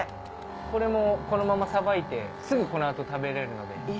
これもこのままさばいてすぐこの後食べれるので。